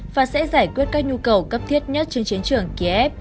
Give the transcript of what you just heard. và sẽ giải quyết các nhu cầu cấp thiết nhất trên chiến trường kiev